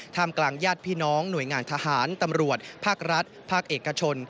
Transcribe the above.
กลางญาติพี่น้องหน่วยงานทหารตำรวจภาครัฐภาคเอกชน